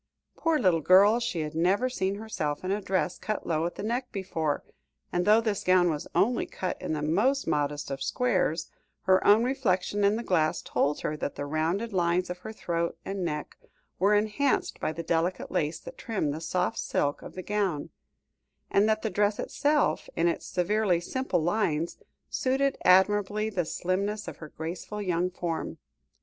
Poor little girl, she had never seen herself in a dress cut low at the neck before, and though this gown was only cut in the most modest of squares, her own reflection in the glass told her that the rounded lines of her throat and neck were enhanced by the delicate lace that trimmed the soft silk of the gown, and that the dress itself, in its severely simple lines, suited admirably the slimness of her graceful young form.